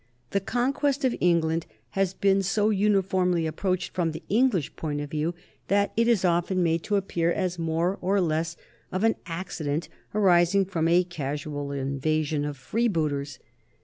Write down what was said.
The con quest of England has been so uniformly approached from the English point of view that it is often made to appear as more or less of an accident arising from a casual invasion of freebooters.